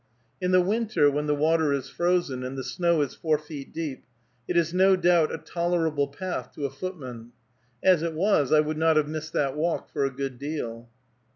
In the winter, when the water is frozen, and the snow is four feet deep, it is no doubt a tolerable path to a footman. As it was, I would not have missed that walk for a good deal.